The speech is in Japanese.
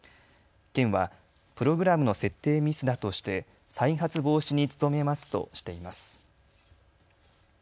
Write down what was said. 県はプログラムの設定ミスだとして再発防止に努めますとしています。